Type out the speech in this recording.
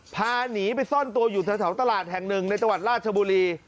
พาหนีไปซ่อนตัวอยู่แถวตลาดแห่งหนึ่งในจังหวัดราชบุรี